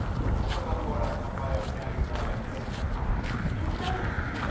「手伝う」って？